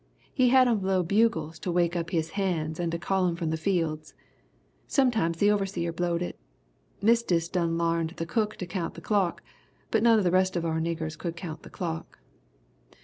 He had 'em blow bugles to wake up his hands and to call 'em from the fields. Sometimes the overseer blowed it. Mistess done larned the cook to count the clock, but none of the rest of our niggers could count the clock.